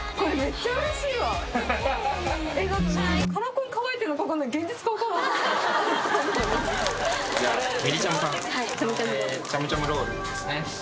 ちゃむちゃむロールですね。